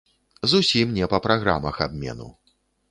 Зусім не па праграмах абмену.